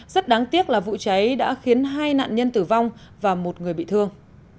rất đáng tiếc là vụ cháy đã khiến hai nạn nhân tử vong và một người bị thương